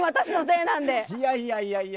いやいやいやいや。